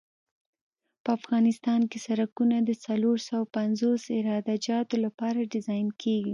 په افغانستان کې سرکونه د څلور سوه پنځوس عراده جاتو لپاره ډیزاین کیږي